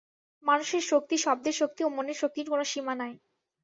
মানুষের শক্তি, শব্দের শক্তি ও মনের শক্তির কোন সীমা নাই।